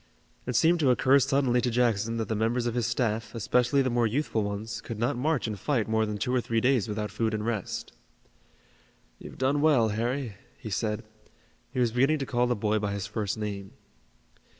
It seemed to occur suddenly to Jackson that the members of his staff, especially the more youthful ones, could not march and fight more than two or three days without food and rest. "You've done well, Harry," he said he was beginning to call the boy by his first name.